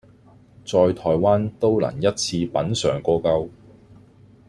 在台灣都能一次品嚐個夠